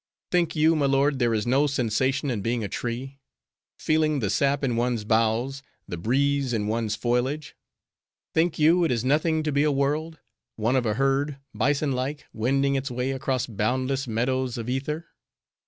Think you, my lord, there is no sensation in being a tree? feeling the sap in one's boughs, the breeze in one's foliage? think you it is nothing to be a world? one of a herd, bison like, wending its way across boundless meadows of ether?